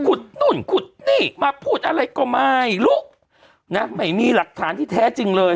นู่นขุดนี่มาพูดอะไรก็ไม่รู้นะไม่มีหลักฐานที่แท้จริงเลย